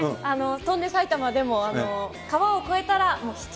翔んで埼玉でも、川を越えたら、もう秘境。